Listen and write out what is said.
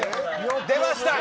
出ました